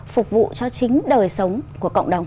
phục vụ cho chính đời sống của cộng đồng